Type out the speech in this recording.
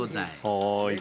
はい。